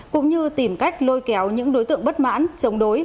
cũng như tìm cách lôi kéo những đối tượng bất mãn chống đối